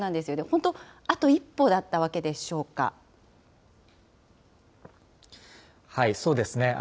本当、あと一歩だったわけでしょそうですね。